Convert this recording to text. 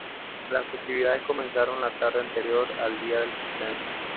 Las festividades comenzaron la tarde anterior al día del cumpleaños.